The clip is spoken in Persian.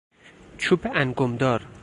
چوب انگمدار